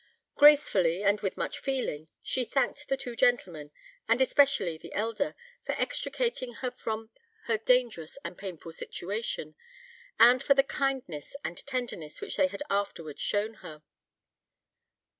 Gracefully, and with much feeling, she thanked the two gentlemen, and especially the elder, for extricating her from her dangerous and painful situation, and for the kindness and tenderness which they had afterwards shown her.